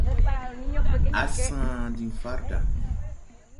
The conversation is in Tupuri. Á sa̧a̧n diŋ farda.